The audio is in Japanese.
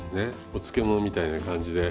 お漬物みたいな感じで。